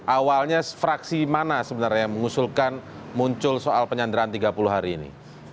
awalnya fraksi mana sebenarnya yang mengusulkan muncul soal penyanderaan tiga puluh hari ini